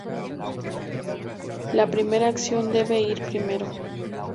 La primera acción debe ir primero.